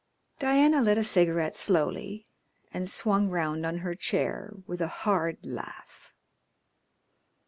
Diana lit a cigarette slowly, and swung round on her chair with a hard laugh.